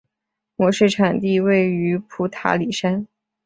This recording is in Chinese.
模式产地位于普塔里山。